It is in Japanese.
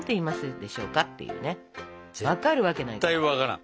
絶対分からん。